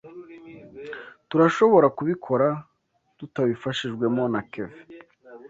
Turashobora kubikora tutabifashijwemo na Kevin.